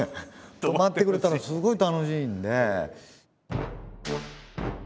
泊まってくれたらすごい楽しいんで。